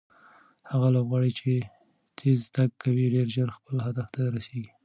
هغه لوبغاړی چې تېز تګ کوي ډېر ژر خپل هدف ته رسیږي.